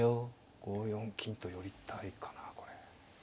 ５四金と寄りたいかなこれ。